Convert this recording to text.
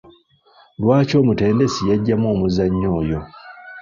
Lwaki omutendesi yaggyamu omuzannyi oyo?